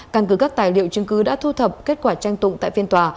căn cứ các tài liệu chứng cứ đã thu thập kết quả tranh tụng tại phiên tòa